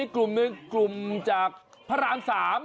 กลุ่มนี้กลุ่มจากพระรามสาม